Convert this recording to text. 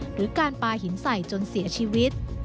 หรือการปลาหินใส่จนเสียชีวิต